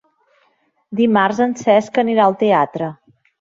Dimarts en Cesc anirà al teatre.